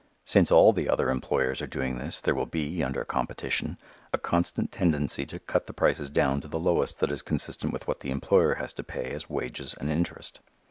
Since all the other employers are doing this, there will be, under competition, a constant tendency to cut the prices down to the lowest that is consistent with what the employer has to pay as wages and interest.